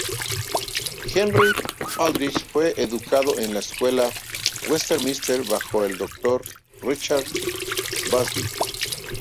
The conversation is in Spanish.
Henry Aldrich fue educado en la escuela Westminster bajo el Dr Richard Busby.